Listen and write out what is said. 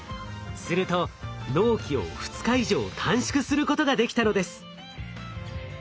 すると納期を２日以上短縮することができたのです。